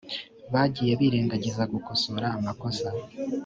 bagiye birengagiza kugukosora amakosa